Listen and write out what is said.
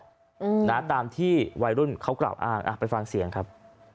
อืมนะตามที่วัยรุ่นเขากล่าวอ้างอ่ะไปฟังเสียงครับ